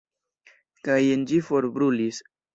Kaj en ĝi forbrulis.